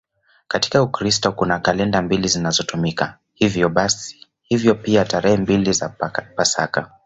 Katika Ukristo kuna kalenda mbili zinazotumika, hivyo pia tarehe mbili za Pasaka.